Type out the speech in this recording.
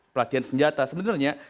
pelatihan senjata sebenarnya